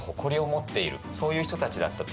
そういう人たちだったといわれています。